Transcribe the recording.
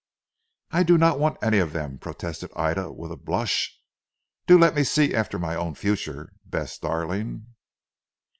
"I do not want any of them," protested Ida with a blush. "Do let me see after my own future, Bess darling."